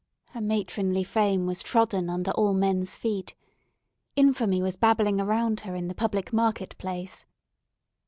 Her matronly fame was trodden under all men's feet. Infamy was babbling around her in the public market place.